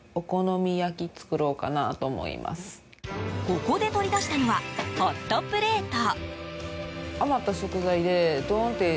ここで取り出したのはホットプレート。